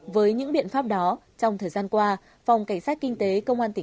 với những biện pháp đó trong thời gian qua phòng cảnh sát kinh tế công an tỉnh nghệ an